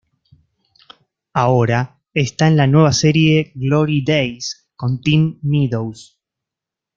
Ahora está en la nueva serie "Glory Daze", con Tim Meadows.